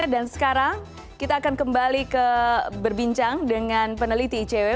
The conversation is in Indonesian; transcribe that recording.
dan sekarang kita akan kembali berbincang dengan peneliti icw